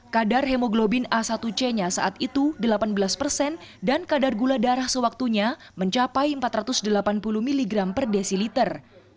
kadar hemoglobin a satu c nya saat itu delapan belas persen dan kadar gula darah sewaktunya mencapai empat ratus delapan puluh mg per desiliter